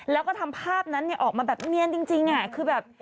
แล้วก็ทำภาพนั้นออกมาแบบเนียนจริงคือแบบ